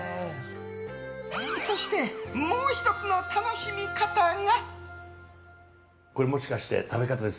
そしてもう１つの楽しみ方が。